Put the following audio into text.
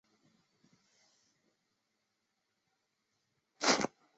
使其成为牛津大学中经费第四多的学院。